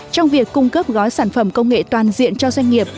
trong việc cung cấp gói sản phẩm công nghệ toàn diện cho doanh nghiệp